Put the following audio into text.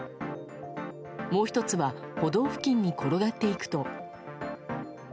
もう１つは歩道付近に転がっていくと。